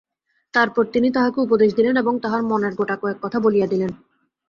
তারপর তিনি তাহাকে উপদেশ দিলেন এবং তাহার মনের গোটাকয়েক কথা বলিয়া দিলেন।